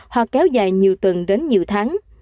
hoặc kéo dài nhiều tuần đến nhiều tháng